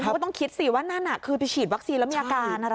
เขาก็ต้องคิดสิว่านั่นคือไปฉีดวัคซีนแล้วมีอาการอะไร